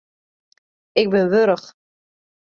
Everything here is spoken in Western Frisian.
Ik bin wurch.